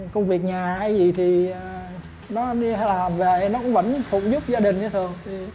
công việc nhà hay gì thì nó đi hay là về nó cũng vẫn phụ giúp gia đình như thường